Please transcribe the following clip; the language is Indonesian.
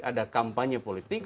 ada kampanye politik